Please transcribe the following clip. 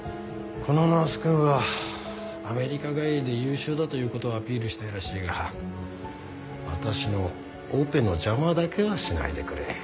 このナースくんはアメリカ帰りで優秀だという事をアピールしたいらしいが私のオペの邪魔だけはしないでくれ。